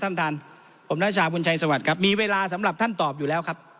ท่านท่านผมนาชาบุญชัยสวัสดีครับมีเวลาสำหรับท่านตอบอยู่แล้วครับ